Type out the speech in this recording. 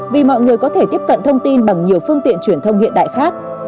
vì mọi người có thể tiếp cận thông tin bằng nhiều phương tiện truyền thông hiện đại khác